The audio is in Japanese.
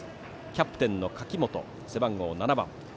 キャプテンの柿本、背番号７番。